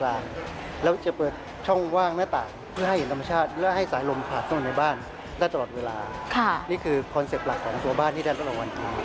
และมีอารมณ์ผ่านข้างในบ้านได้ตลอดเวลานี่คือคอนเซ็ปต์หลักของตัวบ้านที่ได้รับรางวัลที